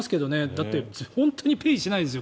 だって本当にペイしないですよ。